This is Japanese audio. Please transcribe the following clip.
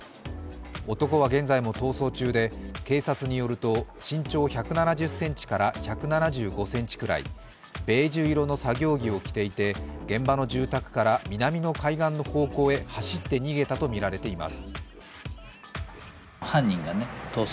男は現在も逃走中で、警察によると、身長１７０ｃｍから１７５ｃｍくらい、ベージュ色の作業着を着ていて現場の住宅から南の海岸の方向へ走って逃げたとみられます。